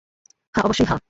হ্যা, অবশ্যই, হ্যা।